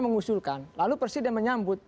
mengusulkan lalu presiden menyambut